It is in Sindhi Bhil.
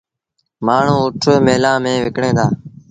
مآڻهوٚݩ اُٺ ميلآن ميݩ وڪڻين دآ۔